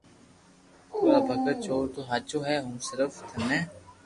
ڀورا ڀگت چور تو ھاچو ھي ھون صرف ٿني